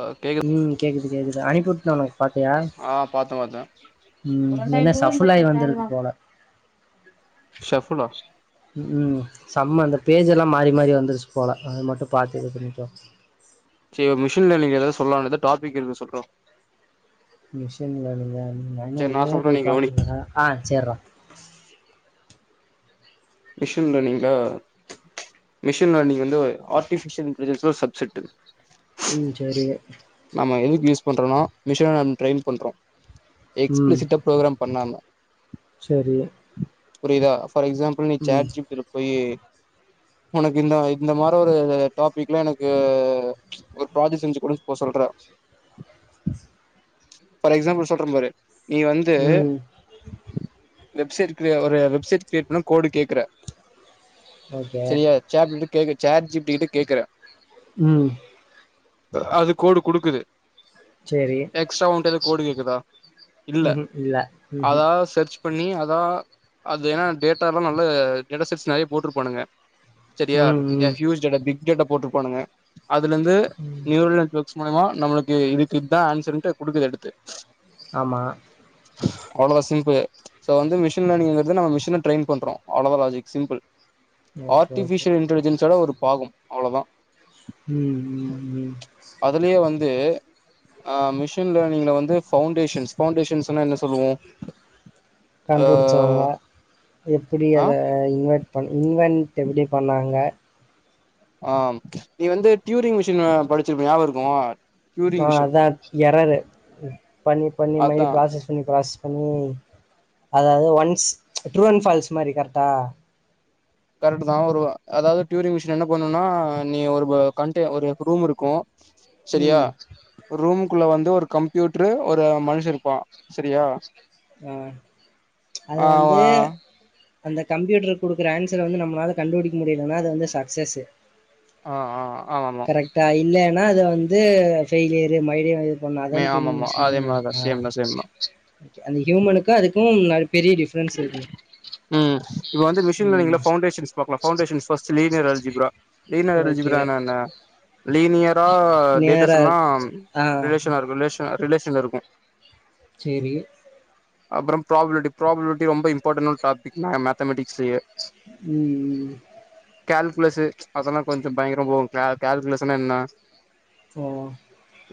அ கேக்குத் ம் கேக்குது கேக்குது அனுப்பிவுட்டே உனக்கு பாத்தியா அ பாத்த பாத்த ம் ஓரு என்ன ரெண்டாயிரத்திரூவா சஃபுலாயி வந்திருக்கு குடுத்தேல்னா போல ம் சம்ம அந்த பேஜ்எல்லா மாறிமாறி வந்துர்ச்சுபோல அது மட்டு பாத்து கொஞ்சொ சே மிஷின்ல நீங்க ஏதாவ சொல்லலாம்த டாபிக் இருக்கு சொல்றா மிஷின் [unintelligible] நா இன்னு சேரி நா உள்ளேயே சொல்றே நீ போய் கவனி பாக்கலடா ஆ சேறா மிஷின் லர்னிங்க்ல மிஷின் லர்னிங் வந்து ஆர்ட்டிஃபிஷியல் இன்டலிஜென்ஸ் சப்செட்டு ம் சேரி நம்ம எதுக்கு யூஸ் பண்றோனா மிஷின நம்ம ட்ரெயின் பண்றோ ம் எக்ஸ்பிளிசிட்டா ப்ரோக்ராம் பண்ணாம சேரி புரியுதா ஃபார் எக்ஸாம்பள் நீ ம் சாட் ஜிப்டில போய் உனக்கு இந்த இந்த மாரி ஒரு டாபிக்ல எனக்கு ஒரு ப்ராஜெக்ட் செஞ்சு கொடுனு இப்ப சொல்ற ஆச்சு ஃபார் எக்ஸாம்பிள் சொல்ற பாரு நீ வந்து ம் வெப்சைட் கிரே ஒரு வெப்சைட் கிரியேட் பண்ண கோடு கேக்குறே ஓகே சேரியா சேப்ப கே சாட் ஜிபடி கிட்ட கேக்குற ம் அது கோடு குடுக்குது சேரி எக்ஸ்ட்ரா உண்ட் எது கோடு கேக்குதா இல்ல ம்ஹும் ம்ஹும் அதா சர்ச் பண்ணி அதா அது ஏனா டேடால எல்லா நல்ல டேடா செஸ் நெறைய போட்டுருப்பானுங்க சேரியா ம் ஏ ம் பியூஸ் டேடா பிக் டேட்டா போட்டுருப்பானுங்க அதுல இருந்து ம் நியூலந் மூல்யமா நம்மளுக்கு இதுக்கு இதுதா ஆன்சர்ட்டு கொடுக்குது எடுத்து ஆமா அவ்ளதா சிம்புள் சோ வந்து மிசின்லேனிங்கிறது நம்ம மிஷின ட்ரைய் பண்றோ அவ்ளோ தா logic simple okay okay artificial இன்டலிஜன்ஸ்வோட ஒரு பாகம் அவ்ளோதா ம் ம் ம் அதுலேயே வந்து ஆ மிஷின் லேர்னிங்ல வந்து பவுண்டேஷன்ஸ் பவுண்டேஷன்ஸ்னா என்ன சொல்லுவோ ஆ கண்டுபுடிச்சவங்க எப்டி ஆ அத ஏ இன்வெட் பண்ண இன்வென்ட் எப்டி பண்ணாங்க ஆ ம் நீ வந்து டுரிங் மிஷின் அ படிச்சிருப்ப ஞாபகம் இருக்குமா ஆ அதா எராரு பண்ணி பண்ணி இந்தமாரி அதா பிராசஸ் பண்ணி பிராசஸ் பண்ணி அதாவது ஒன்ஸ் ட்ரூ அண்ட் ஃபால்ஸ் மாரி கரெக்டா கரெக்ட் தா ஒரு அதாவது டுயூரிங் மிஷின் என்ன பண்ணும்னா நீ ஒரு கன்ட் ஒரு ரூம் இருக்கு சரியா ம் ரூமுக்குள்ள வந்து ஒரு கம்ப்யூட்டர் ஒரு மனுஷன் இருப்பா சேரியா ஆ அது வந்து ஆ அந்த கம்ப்யூட்டர் குடுக்குற ஆன்சர் வந்து நம்மளால கண்டுபிடிக்க முடியலன்னா அது வந்து சக்சஸ்ஸு ஆ ஆ ஆமா ஆமா கரெக்டா இல்லன்னா அத வந்து பெய்லியரு மைடியா சொன்னாதா மே டூரிவ் ஆமாமா மிசினு அதே மாரிதா சேம் தா சேம் தா அந்த யூமனுக்கு அதுக்கு பெரிய டிஃப் ம் இப்ப வந்து மிஷின் ம் லனிங்ல பவுண்டேஷன் பாக்கலா foundations first linear algebra linear okay algebra நா என்ன லீனியரா டேட்டஸ் நேராக எல்லா ஆ ரிலேஷனா இருக்கு ரிலேஸன் ரிலேஷன்ல இருக்கு சேரி அப்றம் ப்ராபிலிட்டி ப்ராபிலிட்டி ரொம்ப இம்பார்டனான டாபிக் மேத்தமெடிக்ஸ்லயே ம் ம் கேல்குலேசு அதெலாங் கொஞ்சம் பயங்கரமபோகு கே கேல்குலஷனா என்னா ஓ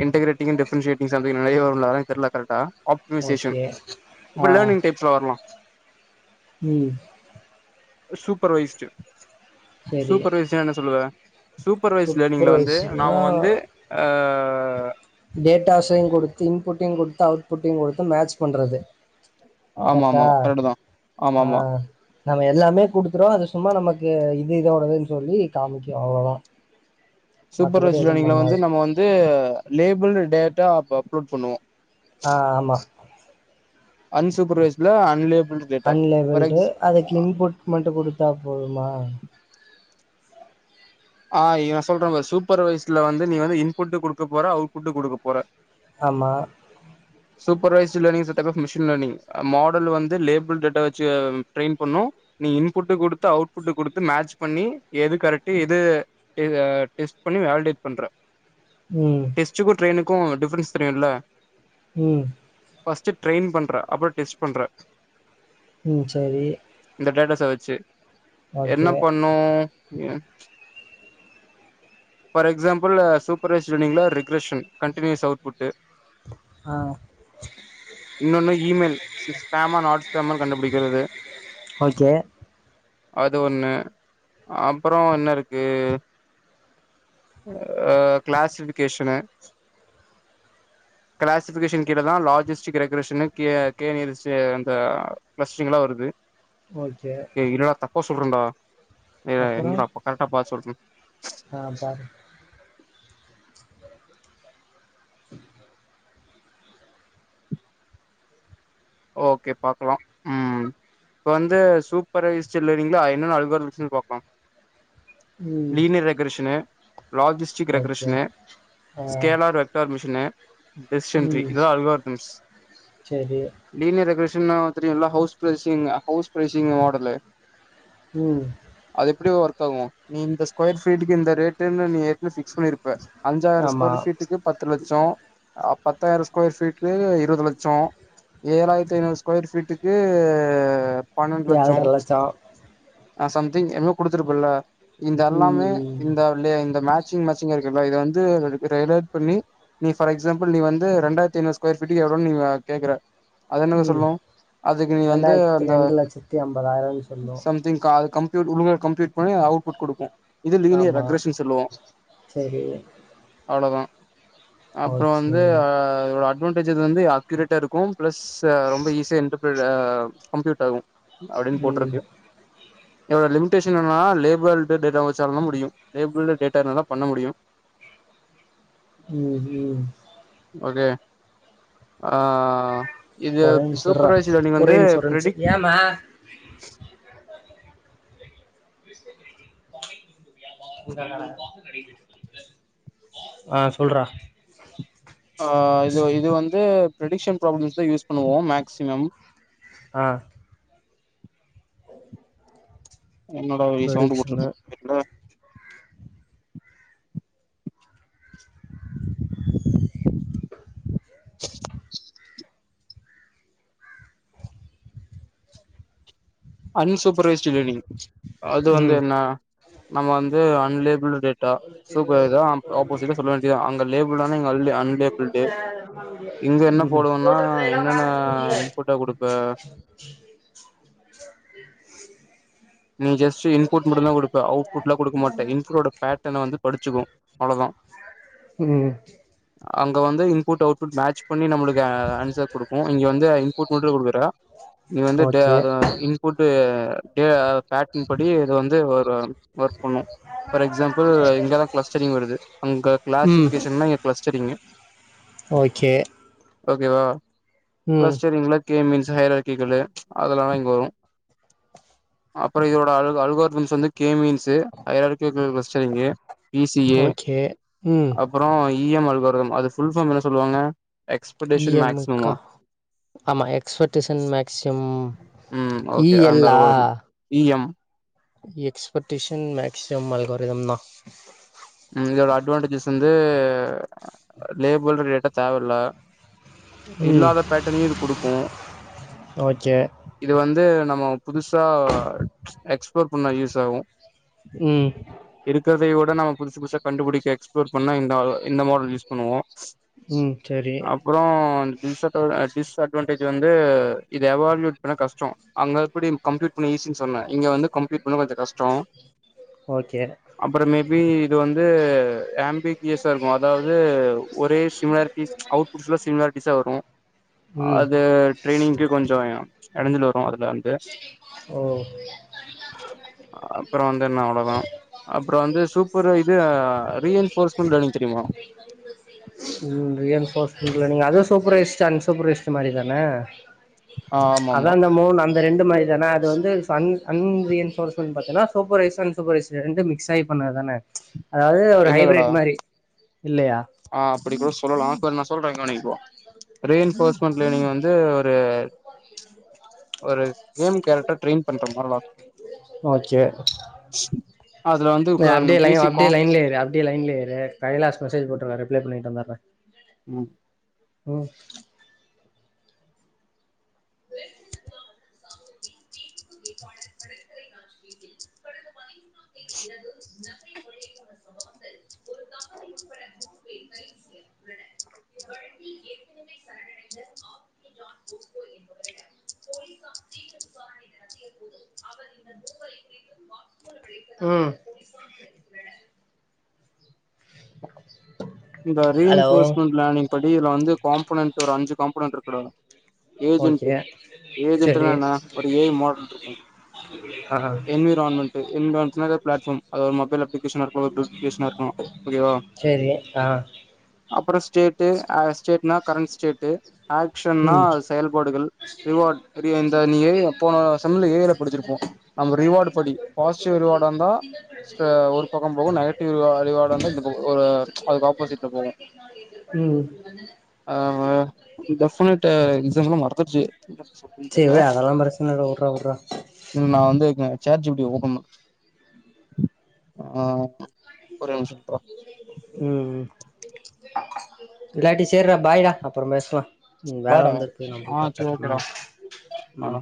இன்டரகரேட்டிங்க்க டிஃபரெண்ட்ஷியேட்டிங்ஸ் சம்திங் நெலைய வருல அது எனக் தெர்ல கரெக்டா அப் ன்ஷேஷன் ஓகே ஆ இப்டி லேர்னிங் டைப்ஸ்லா வர்லா ம் சூப்பர்வைஸ்ட்டு சேரி சூப்பர்வைஸுனா என்ன சொல்லுவே சூப்பர்வைஸ் லேர்னிங்ல வந்து சூப்பர்வைசிங்னா நாம வந்து அ டேட்டாஸையுங் குடுத்து இன்புட்டையுங் குடுத்து அவுட்புட்டையுங் குடுத்து மேட்ச் பண்றது ஆமா ஆமா கர்ட்டா கரெக்ட்டு தா ஆமா ஆ ஆமா நம்ம எல்லாமே குடுத்துறோ அது சும்மா நமக்கு இது இதோடதுன் சொல்லி காமிக்கு அவ்ளோதா மத்தபடி சூப்பர்வைஸ் எதுவு லேர்னிங்ல வந்து பண்ணாது நம்ம வந்து லேபிள் டேட்டா அப்ப அப்லோட் பண்ணுவோ ஆ ஆமா அன்சூப்பர்வைஸ்ல அன்லேபிள்ரு அன்லேவல்டு அதுக்கு இன்புட் மட்டு குடுத்தா போதுமா ஆ இவெ சொல்றேம் பாரு சூப்பர்வைசஸ்ட்ல வந்து நீ வந்து இன்புட்டு குடுக்கப் போற அவுட்புட்டு குடுக்கப் போற ஆமா supervised learning [unintelligible] of machine learning model வந்து லேபிள் டேட்டா வெச்சு ட்ரைன் பண்ணு நீ இன்புட்டு குடுத்து அவுட்புட்டு குடுத்து மேட்ச் பண்ணி எது கரெக்ட்டு எ இது இகா டெஸ்ட் பண்ணி வேலிடேட் பண்ற ம் எஸ்ட்டுகு ட்ரெயினுக்கு டிஃபரென்ஸ் தெரியுல்ல ம் ஃபர்ஸ்ட்டு ட்ரைன் பண்றே அப்றோ டெஸ்ட் பண்றே ம் சரி இந்த டேட்டாச வெச்சு ஓகே என்னப் பண்ணு அ ஃபார் எக்ஸாம்பிள்லே சூப்பர்வைஸ்ர் லினிங்ல ரிக்ரஷன் கண்ட்டினியூஸ் அவுட்புட்டு ஆ இன்னொன்னு இ மெல் ஸ் ஸ்பேம நாட்ஸ்பேமன் கண்டுபிடிக்கிறது ஓகே அது ஒன்னு அப்பறோ என்ன இருக்கு அ கிளாசஃபிகேஷனு கிளாஸிபிகேஷன் கீழதா லாஜஸ்டிக் ரெகுரேஷன்னு கே கே நேறிஷு அந்த பிளஸ்ட்ரிங்கலா வருது ஓகே எ இல்லடா தப்பா சொல்றேன்டா [unintelligible] இருடா கரட்டா பாத் சொல்றன் ஆம் பாரு ஓகே பாக்லா ம் இப்ப வந்து சூப்பர்வைஸ்ட்டு லேர்னிங்ல அய் என்னென்ன [unintelligible] பாக்லா ம். லீனியர் ரெக்கரஷன்னு லாஜஸ்ட் ஜிக் ஓகே. ரெக்கரெஷ்ஷனு ஆ. ஸ்கேலார் ரெக்ட்டார் மிஷினு டிஸ் என்ட்ரி இதுதா அல்காரிதம்ஸ் செரி லீனியர் ரெக்ரெஷ்ஷன்னா தெரியுல்ல ஹவுஸ் பிரசிங்க ஹவுஸ் பிரசிங் மாடலு ம் அது எப்டிய ஒர்க்காவு நீ இந்த ஸ்கொயர் ஃபீட்டுக்கு இந்த ரேட்டுன்னு நீ ஏற்கனவே ஃபிக்ஸ் பண்ணிருப்பே அஞ்சாயிரோ ஆமா. ஸ்கொயர் ஃபீட்டுக்கு பத்து லட்சோ பத்தாயிரோ ஸ்கொயர் ஃபீட்டு இருவது லட்சோ ஏழாயிரத்தி ஐநூறு ஸ்கொயர் ஃபீட்டுக்கு பன்னெண்டு லட்சோ ஆ சம்திங் என்னா குடுத்திருப்பல்ல இந்த எல்லாமே ம். இந்த உள்ளயே இந்த மேட்சிங் மச்சிங்கா இருக்குல்ல இத வந்து ரெகுலேட் பண்ணி நீ ஃபார் எஸ்ஸாபில் நீ வந்து ரெண்டாயிரத்தி ஐநூரு ஸ்கயர் ஃபீட்டுக்கு எவோனு நீ கேக்குற அது என்னது ம். சொல்னு அதுக்கு நீ வந்து அந்த சொல்லும். சம் திங்க கால் கம்பியூட் ஒழுங்க கப்யூட் பண்ணி அவுட்புட் குடுக்கு இது லீனியர் ஆமா. ரக்ரஷன்னு சொல்லுவோ சரி. அவ்ளோதா அப்புறோ ஓகே. வந்து அதோட அட்வான்டேஜஸ் இது வந்து ஆக்யூரேட்டா இருக்கு பிளஸ் ரொம்ப ஈஸியா இன்டர் பெர் அ கம்ப்யூட் ஆகும் அப்டின்னு ம். போட்டிருக்கு எவ்ளோ லிமிடேஷன் என்னன்னா லேபிள்டு டேட்டா வச்சாலும்தா முடியு லேபிள்டு டேட்டா இருந்தா தா பண்ண முடியு ம் ம் ஓகே ஆ ஆ ஆ ஒரே நிம்ஷோ இர்றா ஒரே நிம்ஷோ ஒரே நிம்ஷோ ப்ரெடிக் ஆ சொல்றா ஆ இது இது வந்து ப்ரடிக்ஷன் ப்ராப்ளம்ஸ் தா யூஸ் பண்ணுவோ மேக்சிமம் ஆ என்னோட ஒரே சவுண்ட் ப்ரொடிக்ஷனு. போட்டிருக்கே அன் சூப்பர்வைஸ்டு லேர்னிங் அது வந்து ம். என்ன நம்ம வந்து அன்லேபிளு டேட்டா சூப்பர் இதா ஆப்போசிட்டா சொல்ல வேண்டியதா அங்க லேபிள்புள் ஆனா இங்க அன்லேபுள்டு இங்க என்ன ம். போடுவோன்னா என்னென்ன இன்புட்டா குடுப்ப நீ ஜஸ்ட் இன்புட் மட்டும்தா குடுப்ப அவுட் புட்லா குடுக்க மாட்ட இன்ஃபரோட பேட்டன வந்து படிச்சிக்கு அவ்ளதா இதே அங்க வந்து இன்புட் அவுட்புட் மேட்ச் பண்ணி நம்மளுக்கு ஆன்சர் குடுக்கு இங்க வந்து இன்புட் மட்டு குடுகுற நீ வந்து டே ஓகே. அது இன்புட்டு டே ஆ பேக்கிங் படி இது வந்து ஒரு ஒர்க் பண்ணு ஃபார் எக்ஸாம்பிள் இங்கெல்லா க்ளஸ்டடிங் வருது அங்க ம். கிளாசிபிகேஷன்னா இங்க க்ளஸ்டடிங்கு ஓகே ஓகேவா ம் க்ளஸ்டடிங்ல கே மீன்ஸ் ஹையர்க் கீ டூலே அதெல்லா தா இங்க வரு அப்றோ இதோட அல் அல்கார் மீன்ஸ் வந்து K means [unintelligible] clustering P C A okay ம் அப்றோ இ எம் அல்காரிதம் அது ஃபுல் ஃபார்ம் என்ன சொல்லுவாங்க எக்ஸ் இ எம் முக்கா ஆமா எக்ஸ்பெக்டேஷன் மேக்சிம் ம் இ ஓகே எல் அந்த லா algorithm E M expectation maxim algorithm தா ம் இதோட அட்வான்டேஜஸ் வந்து லேபிள்ல் ரீலேட்டா தேவல்ல ம் இல்லாத பேட்டனையு இது குடுக்கு ஓகே இது வந்து நம்ம புதுசா எக்ஸ்ப்ளோர் பண்ண யூஸ் ஆகு ம் இருக்கறதை விட நம்ம புதுசு புதுசா கண்டுபுடிக்க எக்ஸ்ப்ளோர் பண்ண இந்த இந்த மாடல் யூஸ் பண்ணுவோ ம் சேரி அப்றோ டிஸ் அட் டிஸ்அட்வான்டேஜ் வந்து இது எவால்யூட் பண்ண கஷ்டோ அங்க எப்டி கம்ப்ளீட் ஈஸின் சொன்னே இங்க வந்து கம்ப்ளீட் பண்ண கொஞ்ச கஷ்டோ ஓகே அப்றோ மேபி இது வந்து ஆம்ப் ஃபேக் இயர்ஸா இருக்கு அதாவது ஒரே சிமிலாரிட்டிஸ் அவுட்புட்ல சிமிலாரிட்டிஸா வரு ம் அது ட்ரைனிங்க்கு கொஞ்சோ எடஞ்சல் வரும் அதுல ஓ அப்றோ வந்து என்ன அவ்ளோ தா அப்றோ வந்து சூப் [unintelligible] இது reinforcement learning தெரியுமா ம் ரீ என் ஃபோர்ஸ்மெண்ட்ல அது சூப்பரரைஸ்ட் அன்சூப்பரரைஸ்ட் மாரி தான ஆ ஆமா அதா ஆமா அந்த இந்த மூணு அந்த ரெண்டு மாரி தான அது வந்து சன் அன் ரீ என் ஃபோர்ஸ்மெண்ட் பாத்தனா சூப்பரைஸ் அன் சூப்பரைஸ் ரெண்டு மிக்ஸ் ஆயி பண்ணது தான அதாவது ஒரு இல்ல இல்லடா ஹைப்ரேட் மாரி இல்லையா ஆ அப்டி கூட சொல்லலா செரி நா சொல்றே கவணி ப்ரோ ரீ என் ஃபோர்ஸ்மெண்ட் லேர்னிங் வந்து ஒரு ஒரு கேம் கேரக்டர ட்ரெயின் பண்ற மாராடா ஓகே அதுல வந்து ஏ அப்டே லைன் வா பேசிக்கா அப்டே லைன்லயே இரு அப்டே லைன்லே இரு கைலாஷ் மெசேஜ் போட்டுருக்கா ரிப்ளே பண்ணிட்டு வந்துறே ம் ம் [unintelligible] [unintelligible] [unintelligible] ம் இந்த ரீ என் ஹலோ ஃபோர்ஸ்மெட் லேர்னிங் படி இதுல வந்து காம்போனன்ட் ஒரு அஞ்சு காம்போனன்ட் இருக்கு டா ஏஜென்ட்டு ஓகே சரி ஏஜென்ட்டுனா என்ன ஒரு ஏ ஐ மாடல்ட்டுருக்கு அ ஆ என்விரான்மென்ட் என்விரான்மென்ட் னா எதா ஃபிளாட் ஃபார்ம் அது ஒரு மொபைல் அப்ளிகேஷனா இருக்கலா டூப்ளிகேஷனா இருக்கலா ஓகே வா செரி ஆ அப்றோ ஸ்டேட்டு அ ஸ்டேட்னா கரண்ட் ஸ்டேட்டு ஆக்ஷன்னா ம் செயல்பாடுகள் ரிவார்ட் [unintelligible] இந்த நீ போன செம்ல ஏ ஜல படிச்சிருப்போ நம்ம ரிவார்டு படி பாசிட்டிவ் ரிவார்டா இருந்தா ஸ்ரே ஒரு பக்கம் போகு நெகட்டிவ் ரீவா ரிவார்ட இந்த ஒரு அதுக்கப் ஆப்போசிட்ல போவோ ஆ டெபனட் [unintelligible] இன்சம்ல மறந்துடுச்சு என்ன சொல்றதுன்னு சேரி தெர்ல விடு அதெல்லா பிரச்சன இல்ல உட்றா உட்றா ம் நா வந்து chat G P T open பண் ஆ ஒரே நிமிஷம் நில்ற ம் இல்லாட்டி சேர்ற பாய்டா அப்றம் பேசலா ம் வேல வாடா வந்திருக்கு நா போய் ஆ பாக்க சரி ஓகேடா ம் ஆ ம்